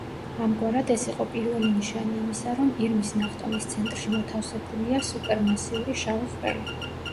ამგვარად, ეს იყო პირველი ნიშანი იმისა, რომ ირმის ნახტომის ცენტრში მოთავსებულია სუპერმასიური შავი ხვრელი.